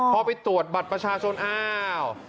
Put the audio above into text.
พอไปตรวจบัตรประชาชนอ้าว